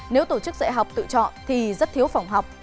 nếu tổ chức dạy học tự chọn thì rất thiếu phòng học